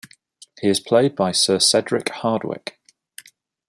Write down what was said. He is played by Sir Cedric Hardwicke.